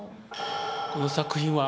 この作品は。